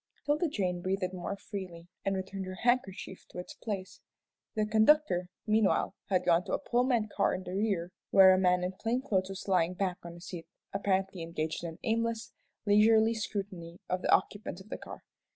'Tilda Jane breathed more freely, and returned her handkerchief to its place. The conductor, meanwhile, had gone to a Pullman car in the rear, where a man in plain clothes was lying back on a seat, apparently engaged in an aimless, leisurely scrutiny of the occupants of the car.